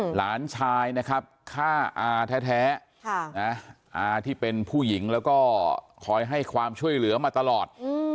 หลานชายนะครับฆ่าอาแท้อาที่เป็นผู้หญิงแล้วก็คอยให้ความช่วยเหลือมาตลอด